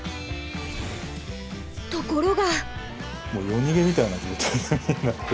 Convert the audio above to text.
ところが。